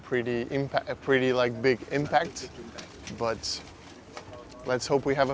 kami sebenarnya tidak memeriksa apakah semuanya baik baik saja